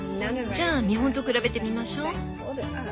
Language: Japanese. じゃあ見本と比べてみましょ。